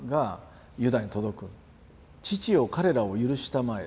「父よ彼らをゆるしたまえ。